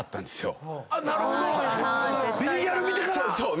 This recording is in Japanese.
『ビリギャル』見てから⁉そうそう！